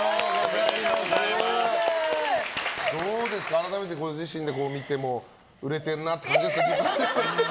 改めてご自身でこう見ても売れてるなって感じですか？